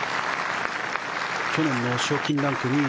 去年の賞金ランク２位。